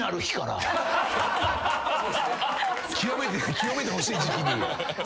清めてほしい時期に。